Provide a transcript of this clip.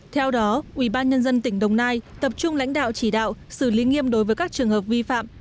theo đó ubnd tỉnh đồng nai tập trung lãnh đạo chỉ đạo xử lý nghiêm đối với các trường hợp vi phạm